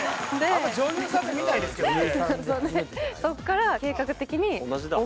あんま女優さんで見ないですけどね